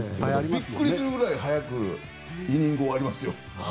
びっくりすぐらい早くイニング終わりますよ。